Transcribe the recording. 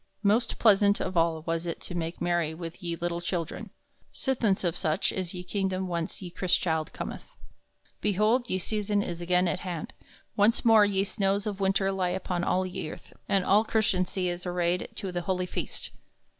Most plaisauntest of all was it to make merry with ye lyttle children, sithence of soche is ye kingdom whence ye Chrystchilde cometh. Behold, ye season is again at hand; once more ye snows of winter lie upon all ye earth, and all Chrystantie is arrayed to the holy feast.